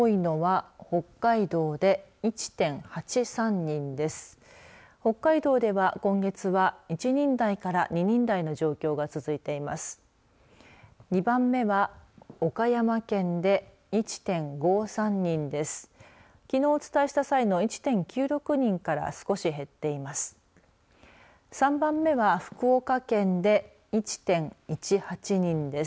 きのうをお伝えした際の１．９６人から少し減っています。